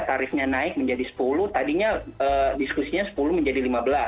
tarifnya naik menjadi sepuluh tadinya diskusinya sepuluh menjadi lima belas